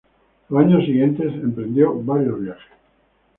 Los años siguientes emprendió varios viajes.